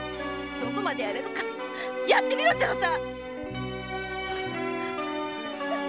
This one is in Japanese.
どこまでやれるかやってみろって言うのさ！